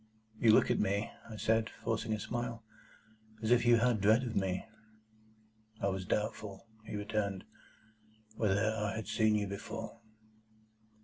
"You look at me," I said, forcing a smile, "as if you had a dread of me." "I was doubtful," he returned, "whether I had seen you before."